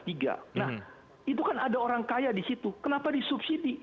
nah itu kan ada orang kaya di situ kenapa disubsidi